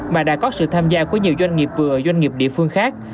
mà đã có sự tham gia của nhiều doanh nghiệp vừa doanh nghiệp địa phương khác